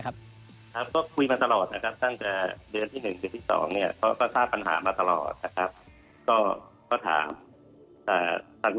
ครับก็คุยมาตลอดตั้งจากเดือนที่๑๒เขาก็ทราบปัญหามาตลอด